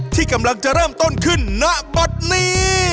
ที่กำลังจะเริ่มต้นขึ้นณบัตรนี้